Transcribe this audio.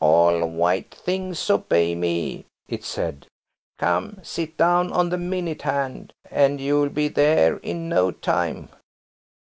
"All white things obey me," it said. "Come, sit down on the minute hand, and you'll be there in no time."